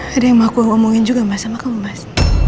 ada yang mau aku omongin juga mas sama kamu mas